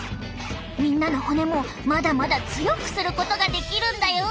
みんなの骨もまだまだ強くすることができるんだよ！